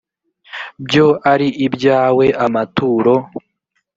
byo ari ibyawe amaturo